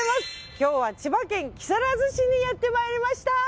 今日は千葉県木更津市にやってまいりました。